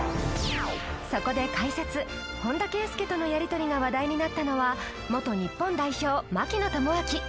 そこで解説本田圭佑とのやりとりが話題になったのは元日本代表槙野智章